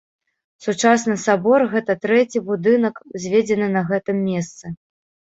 Сучасны сабор гэта трэці будынак, узведзены на гэтым месцы.